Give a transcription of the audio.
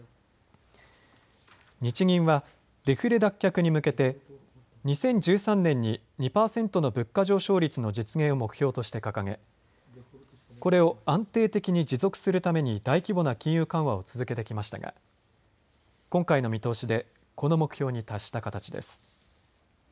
日銀はデフレ脱却に向けて２０１３年に２％の物価上昇率の実現を目標として掲げこれを安定的に持続するために大規模な金融緩和を続けてきましたが今回の見通しでこの目標に達した形です。